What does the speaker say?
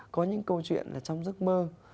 có những câu chuyện là trong giấc mơ